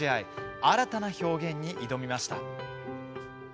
新たな表現に挑みました。